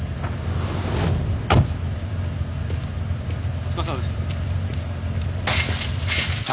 お疲れさまです。